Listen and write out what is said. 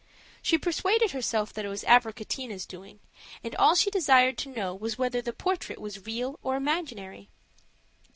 She persuaded herself that it was Abricotina's doing; and all she desired to know was whether the portrait was real or imaginary.